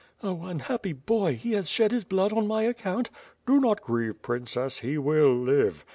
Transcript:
"Oh! unhappy boy! he has shed liis blood on my account!" "Do not grieve, princess; he will live."